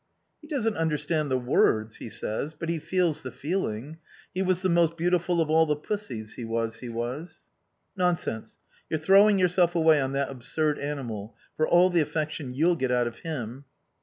"He doesn't understand the words, he says, but he feels the feeling ... He was the most beautiful of all the pussies, he was, he was." "Nonsense. You're throwing yourself away on that absurd animal, for all the affection you'll get out of him."